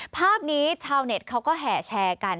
ภาพนี้ชาวเน็ตเขาก็แห่แชร์กัน